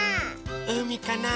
うみかな？